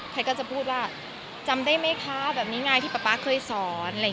ใครก็จะพูดว่าจำได้ไหมคะแบบนี้ไงที่ป๊าป๊าเคยสอน